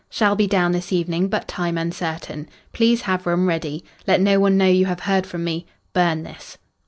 Shall be down this evening, but time uncertain. Please have room ready. Let no one know you have heard from me. Burn this.